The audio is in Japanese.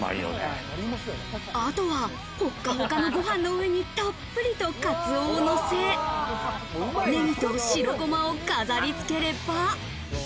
あとはホカホカのご飯の上にたっぷりとカツオをのせ、ネギと白ゴマを飾り付ければ。